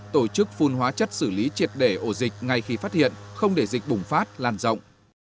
tổ chức phun hóa chất xử lý triệt để ổ dịch ngay khi phát hiện không để dịch bùng phát lan rộng